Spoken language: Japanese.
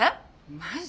マジ？